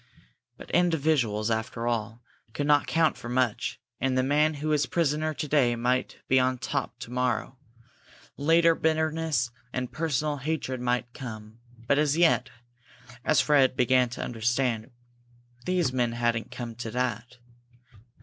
But individuals, after all, could not count for much, and the man who was prisoner to day might be on top to morrow. Later bitterness and personal hatred might come, but as yet, as Fred began to understand, these men hadn't come to that.